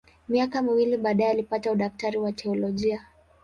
Miaka miwili baadaye alipata udaktari wa teolojia.